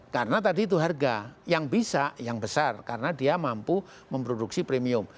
karena tadi itu harga yang bisa yang besar karena dia mampu memproduksi premium